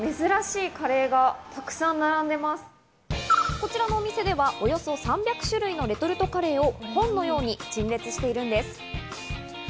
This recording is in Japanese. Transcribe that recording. こちらのお店ではおよそ３００種類のレトルトカレーを本のように陳列しているのです。